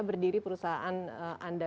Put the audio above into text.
berdiri perusahaan anda